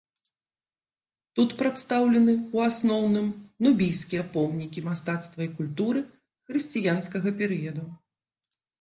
Тут прадстаўлены ў асноўным нубійскія помнікі мастацтва і культуры хрысціянскага перыяду.